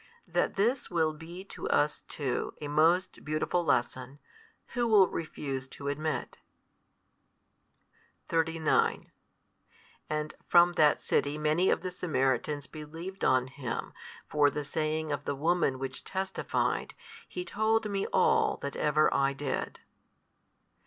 That this will be to us too a most beautiful lesson, who will refuse to admit? 39 And from that city many of the Samaritans believed on Him for the saying of the woman which testified, He told me all that ever I did.